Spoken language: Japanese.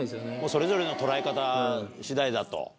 それぞれの捉え方次第だと。